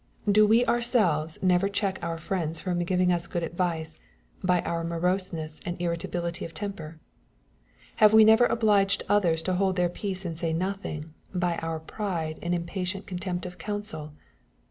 Do we ourselves never check our friends from giving us good advice, by our moroseness and irritability of temper ? Have we never obliged others to hold their peace and say nothing, by our pride and impatient con tempt of counsel